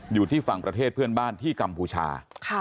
อยู่ที่ฝั่งประเทศเพื่อนบ้านที่กัมพูชา